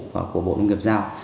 và của bộ công nghiệp giao